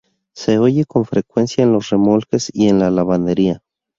Se oye con frecuencia en los remolques y en la lavandería.